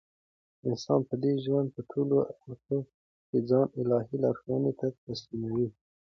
انسان به د ژوند په ټولو اړخو کښي ځان الهي لارښوونو ته تسلیموي.